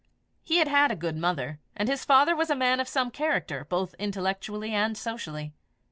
He had had a good mother, and his father was a man of some character, both intellectually and socially.